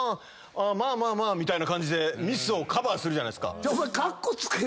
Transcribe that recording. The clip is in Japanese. あぁまあまあまあみたいな感じでミスをカバーするじゃないですか。